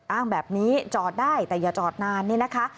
อ้างแบบนี้จอดได้แต่อย่าจอดนานนี่นะคะ